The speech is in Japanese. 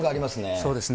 そうですね。